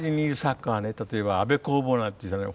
例えば安部公房なんていう人はね